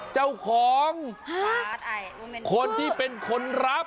เจ้าของคนที่เป็นคนรับ